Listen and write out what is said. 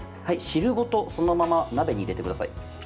汁ごとそのまま鍋に入れてください。